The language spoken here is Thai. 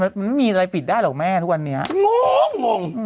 มันไม่มีอะไรปิดได้หรอกแม่ทุกวันนี้งงง